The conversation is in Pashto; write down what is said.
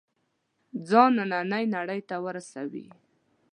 ځان نننۍ نړۍ ته ورسوي.